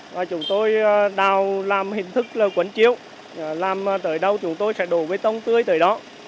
và chúng tôi đào làm hình thức là quấn chiếu làm tới đâu chúng tôi sẽ đổ bê tông tươi tới đó